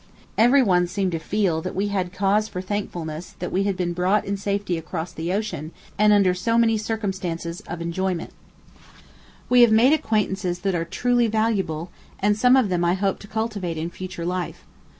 Every one seemed to feel that we had cause for thankfulness that we had been brought in safety across the ocean, and under so many circumstances of enjoyment We have made acquaintances that are truly valuable, and some of them I hope to cultivate in future life.